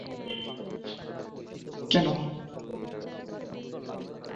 এই হাতিয়ারকে সৎ বা অসৎ যেকোনো কাজেই ব্যবহার করা সম্ভব।